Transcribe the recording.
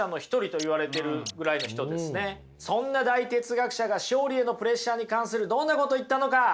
そんな大哲学者が勝利へのプレッシャーに関するどんなことを言ったのか。